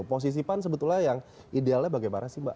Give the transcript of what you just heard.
posisi pan sebetulnya yang idealnya bagaimana sih mbak